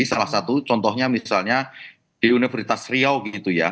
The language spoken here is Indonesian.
salah satu contohnya misalnya di universitas riau gitu ya